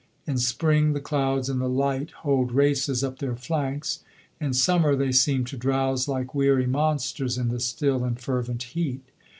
In spring the clouds and the light hold races up their flanks; in summer they seem to drowse like weary monsters in the still and fervent heat.